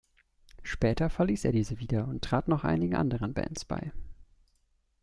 Später verließ er diese wieder und trat noch einigen anderen Bands bei.